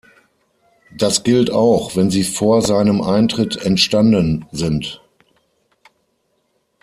Das gilt auch, wenn sie vor seinem Eintritt entstanden sind.